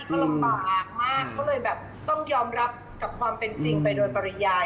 เขาลำบากมากก็เลยแบบต้องยอมรับกับความเป็นจริงไปโดยปริยาย